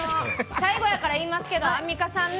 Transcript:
最後やから言いますけどアンミカさんね。